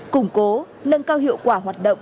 củng cố nâng cao hiệu quả hoạt động